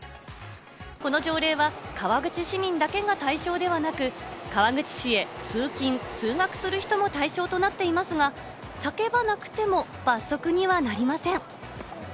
この条例は川口市民だけが対象ではなく、川口市へ通勤・通学する人も対象となっていますが、叫ばなくても罰則にはなりません。